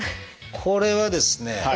これはですね